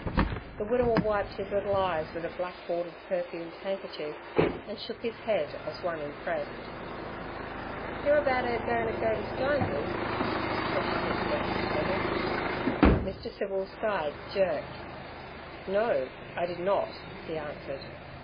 The widower wiped his little eyes with a black bordered perfumed handkerchief, and shook his head as one impressed. "Ear about 'er a goin' t' go t' Steins's?' asked Boshy at the breakfast table. Mr. Civil's side jerked. 'No, I did not' he answered.